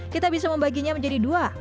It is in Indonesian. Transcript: kita bisa membaginya menjadi dua